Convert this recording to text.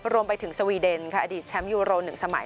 รวมไปถึงสวีเดนค่ะอดีตแชมป์ยูโร๑สมัย